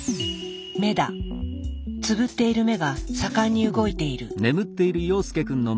つぶっている目が盛んに動いている。